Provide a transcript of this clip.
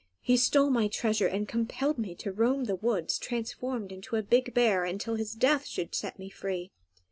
He stole my treasure, and compelled me to roam the woods transformed into a big bear until his death should set me free.